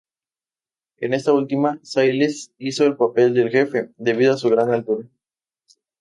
En esta última, Sayles hizo el papel del Jefe, debido a su gran altura.